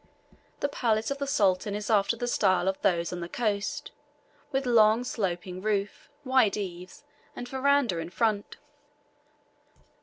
The palace of the Sultan is after the style of those on the coast, with long sloping roof, wide eaves, and veranda in front.